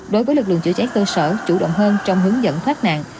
đối với lật luận chữa cháy tôi sợ chủ động hơn trong hướng dẫn thoát nạn